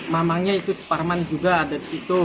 mamangnya itu suparman juga ada di situ